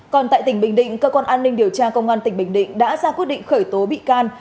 còn tại tỉnh bình định cơ quan an ninh điều tra công an tỉnh bình định đã ra quyết định khởi tố bị can